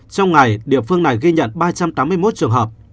trong ngày địa phương này ghi nhận ba trăm tám mươi một trường hợp